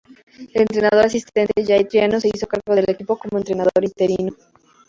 El entrenador asistente Jay Triano se hizo cargo del equipo como entrenador interino.